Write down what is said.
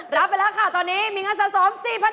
รับไปแล้วค่ะตอนนี้มีเงินสะสม๔๐๐บาท